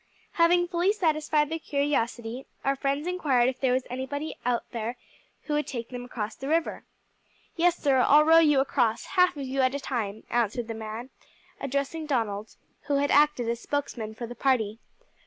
Having fully satisfied their curiosity, our friends inquired if there was anybody about there who would take them across the river. "Yes, sir, I'll row you across, half of you at a time," answered the man, addressing Donald, who had acted as spokesman for the party.